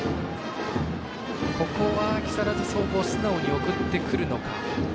ここは木更津総合素直に送ってくるのか。